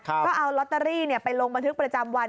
ก็เอาลอตเตอรี่ไปลงบันทึกประจำวัน